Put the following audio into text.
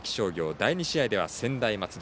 第２試合では専大松戸。